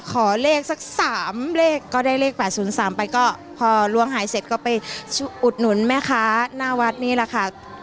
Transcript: ขอเลขสัก๓เลขก็ได้เลข๘๐๓ไปก็พอล้วงหายเสร็จก็ไปอุดหนุนแม่ค้าหน้าวัดนี่แหละค่ะ